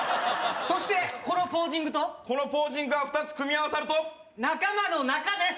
そしてこのポージングとこのポージングが２つ組み合わさると仲間の「仲」です